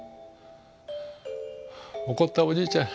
怒ったおじいちゃん